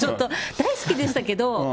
大好きでしたけど。